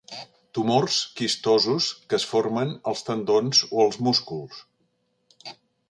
Tumors quistosos que es formen als tendons o als músculs.